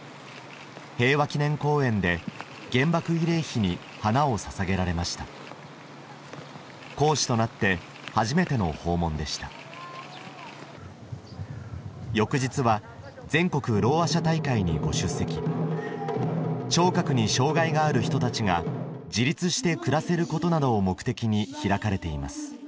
平和記念公園で原爆慰霊碑に花をささげられました皇嗣となって初めての訪問でした翌日は全国ろうあ者大会にご出席聴覚に障がいがある人たちが自立して暮らせることなどを目的に開かれています